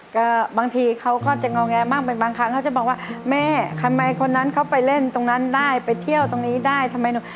ก็บางทีเขาก็จะงอแงบ้างเป็นบางครั้งเขาจะบอกว่าแม่ทำไมคนนั้นเขาไปเล่นตรงนั้นได้ไปเที่ยวตรงนี้ได้ทำไมหนู